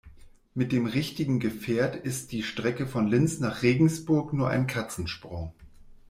Mit dem richtigen Gefährt ist die Strecke von Linz nach Regensburg nur ein Katzensprung.